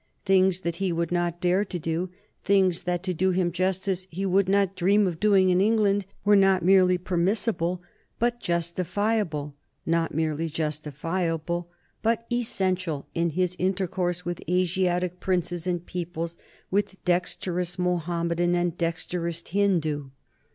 Things that he would not dare to do, things that, to do him justice, he would not dream of doing in England, were not merely permissible but justifiable, not merely justifiable but essential in his intercourse with Asiatic princes and peoples, with dexterous Mohammedan and dexterous Hindoo.